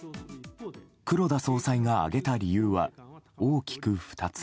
黒田総裁が挙げた理由は大きく２つ。